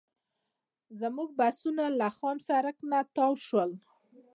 زموږ بسونه له خام سړک نه تاو شول.